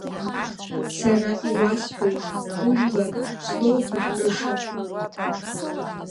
Сара иуасҳәоит ужәлар злоухәышәтәыша.